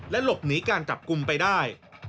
หลบหนีการจับกลุ่มไปได้